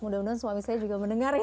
mudah mudahan suami saya juga mendengar ya